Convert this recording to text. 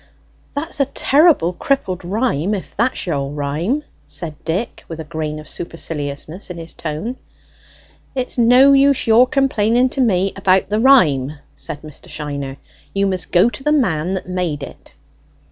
'" "That's a terrible crippled rhyme, if that's your rhyme!" said Dick, with a grain of superciliousness in his tone. "It's no use your complaining to me about the rhyme!" said Mr. Shiner. "You must go to the man that made it."